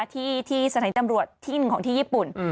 ที่สถานีตำรวจที่หนึ่งของที่ญี่ปุ่น